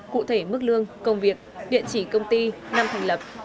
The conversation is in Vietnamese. cụ thể mức lương công việc địa chỉ công ty năm thành lập